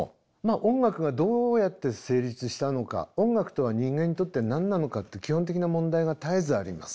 音楽がどうやって成立したのか音楽とは人間にとって何なのかって基本的な問題が絶えずあります。